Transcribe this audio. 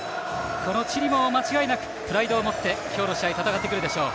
このチリも間違いなくプライドを持って、今日の試合戦ってくるでしょう。